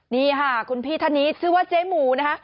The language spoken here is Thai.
นี่ค่ะคุณพี่ท่านนี้ชื่อว่าเจ๊หมูนะคะ